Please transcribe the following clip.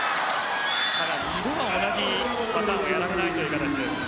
２度は同じパターンはやらやせないという形です。